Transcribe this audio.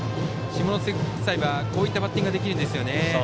下関国際はこういったバッティングができるんですよね。